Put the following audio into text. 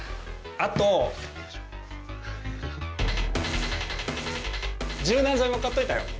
あと柔軟剤も買っといたよ